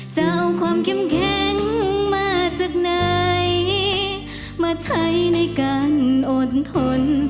จะเอาความเข้มแข็งมาจากไหนมาใช้ในการอดทน